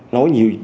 nói nhiều nhiều